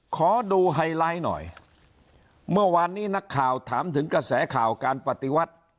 ขอดูไฮไลท์หน่อยเมื่อวานนี้นักข่าวถามถึงกระแสข่าวการปฏิวัติ